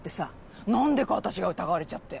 何でか私が疑われちゃって。